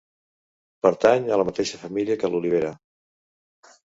Pertany a la mateixa família que l'olivera.